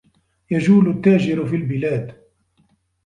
يَجُولُ التَّاجِرُ فِي الْبِلادِ.